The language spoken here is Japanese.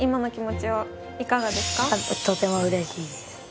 とてもうれしいです。